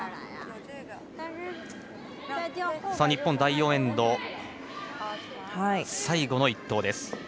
日本、第４エンド最後の一投。